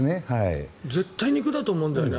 絶対肉だと思うんだよね